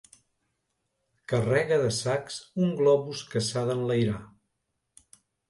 Carrega de sacs un globus que s'ha d'enlairar.